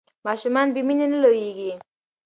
ماشومان بې مینې نه لویېږي.